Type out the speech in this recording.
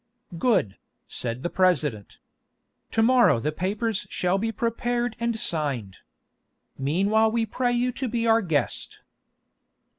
"Good," said the President. "To morrow the papers shall be prepared and signed. Meanwhile we pray you to be our guest."